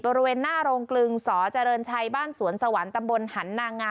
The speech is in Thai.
บริเวณหน้าโรงกลึงสเจริญชัยบ้านสวนสวรรค์ตำบลหันนางา